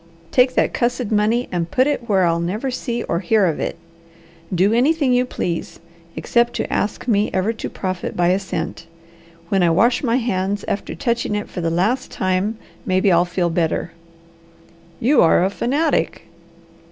Take that cussed money and put it where I'll never see or hear of it. Do anything you please, except to ask me ever to profit by a cent. When I wash my hands after touching it for the last time maybe I'll feel better." "You are a fanatic!"